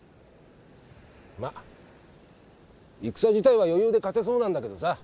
まっ戦自体は余裕で勝てそうなんだけどさ。